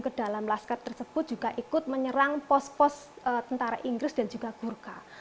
ke dalam laskar tersebut juga ikut menyerang pos pos tentara inggris dan juga burka